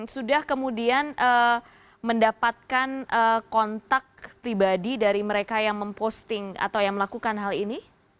sudah kemudian mendapatkan kontak pribadi dari mereka yang memposting atau yang melakukan hal ini